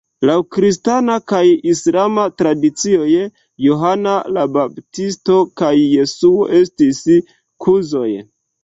Laŭ kristana kaj islama tradicioj Johano la Baptisto kaj Jesuo estis kuzoj.